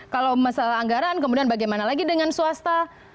kalau masalah anggaran kemudian bagaimana lagi dengan swasta